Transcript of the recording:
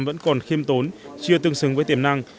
vẫn còn khiêm tốn chưa tương xứng với tiềm năng